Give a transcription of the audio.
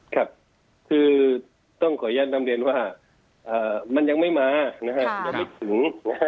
ครับคือต้องขออนุญาตนำเรียนว่ามันยังไม่มานะฮะยังไม่ถึงนะฮะ